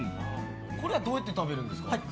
これはどうやって食べるんですか？